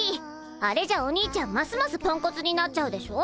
あれじゃお兄ちゃんますますポンコツになっちゃうでしょ。